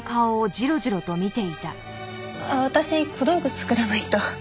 あっ私小道具作らないと。